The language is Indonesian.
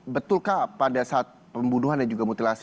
betulkah pada saat pembunuhan dan juga mutilasi